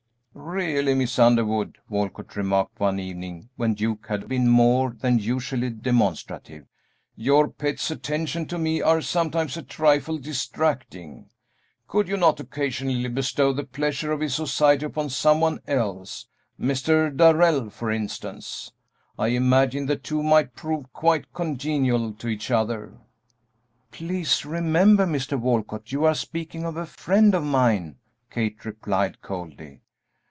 "Really, Miss Underwood," Walcott remarked one evening when Duke had been more than usually demonstrative, "your pet's attentions to me are sometimes a trifle distracting. Could you not occasionally bestow the pleasure of his society upon some one else Mr. Darrell, for instance? I imagine the two might prove quite congenial to each other." "Please remember, Mr. Walcott, you are speaking of a friend of mine," Kate replied, coldly.